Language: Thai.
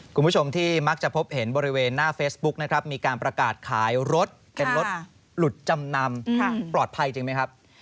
คุณผู้ชมที่มักจะพบเห็นบริเวณหน้าเฟซบุ๊กนะครับมีการประกาศขายรถเป็นรถหลุดจำนำปลอดภัยจริงไหมครับ